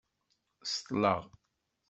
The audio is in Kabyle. Ṣeṭṭleɣ